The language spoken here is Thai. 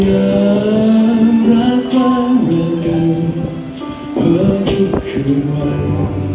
อย่ารักพอรักกันเพื่อทุกคืนวัน